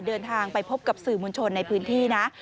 เดินทางไปพบกับสื่อมวลชนในพื้นที่นะ